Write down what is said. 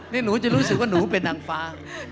นี่หนูจะรู้สึกว่าหนูเป็นนางฟ้า